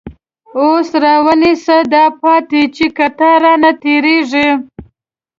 اوس را ونیسه دا پاتی، چه قطار رانه تیریږی